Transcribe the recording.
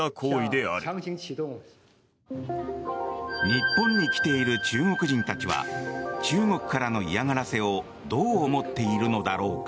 日本に来ている中国人たちは中国からの嫌がらせをどう思っているのだろうか。